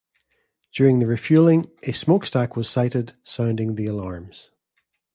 During the refueling, a smokestack was sighted, sounding the alarms.